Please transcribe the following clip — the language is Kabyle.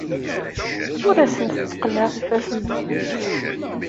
Ur asent-tteqqneɣ ifassen-nsent.